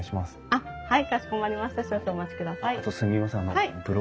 あっはい。